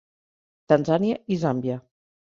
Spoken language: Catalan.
Tanzània i Zàmbia.